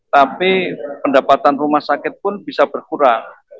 tapi pendapatan rumah sakit pun bisa berkurang